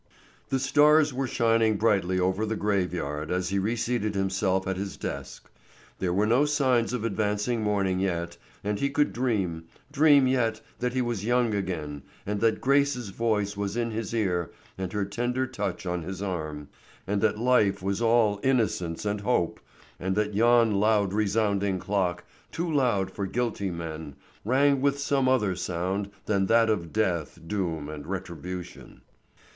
The stars were shining brightly over the graveyard as he reseated himself at his desk. There were no signs of advancing morning yet, and he could dream, dream yet that he was young again and that Grace's voice was in his ear and her tender touch on his arm, and that life was all innocence and hope, and that yon loud resounding clock, too loud for guilty men, rang with some other sound than that of death, doom, and retribution.